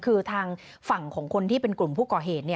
คือทางฝั่งของคนที่เป็นกลุ่มผู้ก่อเหตุ